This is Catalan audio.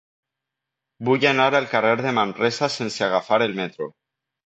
Vull anar al carrer de Manresa sense agafar el metro.